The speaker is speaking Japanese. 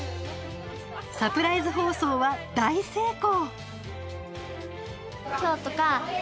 サプライズ放送は大成功。